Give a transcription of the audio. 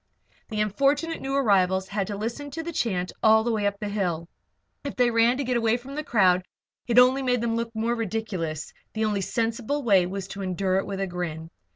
The unfortunate new arrivals had to listen to the chant all the way up the hill. If they ran to get away from the crowd, it only made them look the more ridiculous; the only sensible way was to endure it with a grin.